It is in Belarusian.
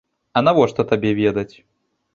А навошта табе ведаць?